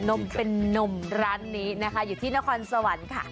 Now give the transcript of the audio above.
มเป็นนมร้านนี้นะคะอยู่ที่นครสวรรค์ค่ะ